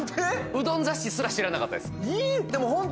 うどん雑誌すら知らなかったですえっ？